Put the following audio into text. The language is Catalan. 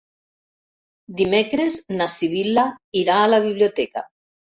Dimecres na Sibil·la irà a la biblioteca.